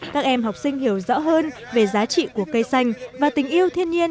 các em học sinh hiểu rõ hơn về giá trị của cây xanh và tình yêu thiên nhiên